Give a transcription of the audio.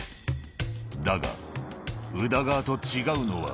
だが、宇田川と違うのは。